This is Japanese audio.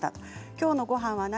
きょうのごはんは何？